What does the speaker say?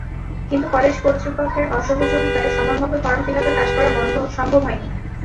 কিন্তু কলেজ কর্তৃপক্ষের অসহযোগিতায় সময়মতো ফরম ফিলাপের কাজ করা সম্ভব হয়নি।